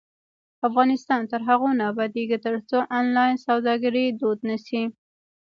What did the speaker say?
افغانستان تر هغو نه ابادیږي، ترڅو آنلاین سوداګري دود نشي.